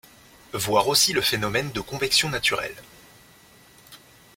Voir aussi le phénomène de convection naturelle.